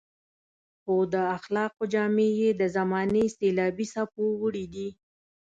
خو د اخلاقو جامې يې د زمانې سېلابي څپو وړي دي.